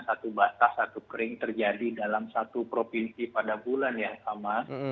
satu batas satu kering terjadi dalam satu provinsi pada bulan yang sama